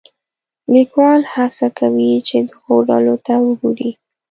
لیکوال هڅه کوي چې دغو ډلو ته وګوري.